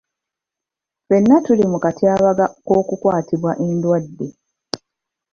Ffenna tuli mu katyabaga k'okukwatibwa endwadde.